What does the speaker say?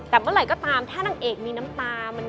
แต่เมื่อไหร่ก็ตามถ้านางเอกมีน้ำตา